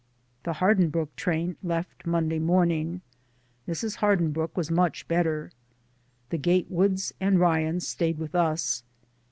The Hardinbrooke train left Monday morning. Mrs. Hardinbrooke was much better. The Gatewoods and Ryans stayed with us.